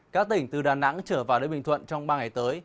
các tỉnh từ đà nẵng trở vào đến bình thuận trong ba ngày tới